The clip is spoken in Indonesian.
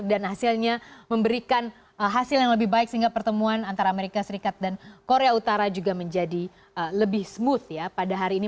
dan hasilnya memberikan hasil yang lebih baik sehingga pertemuan antara amerika serikat dan korea utara juga menjadi lebih smooth ya pada hari ini